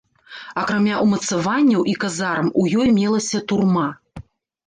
Акрамя ўмацаванняў і казарм у ёй мелася турма.